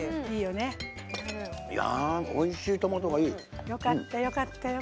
おいしい、トマトがいい。よかった、よかった。